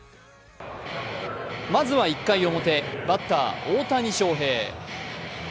まずは１回表、バッター・大谷翔平。